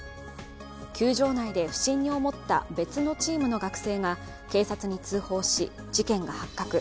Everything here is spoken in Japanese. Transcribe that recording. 球場内で不審に思った別のチームの学生が警察に通報し、事件が発覚。